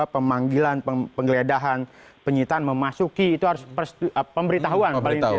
pemanggilan penggeledahan penyitaan memasuki itu harus pemberitahuan